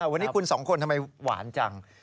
วันนี้คุณสองคนทำไมหวานจัง